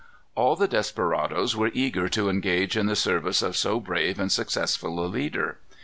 All the desperadoes were eager to engage in the service of so brave and successful a leader.